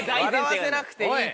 笑わせなくていいって。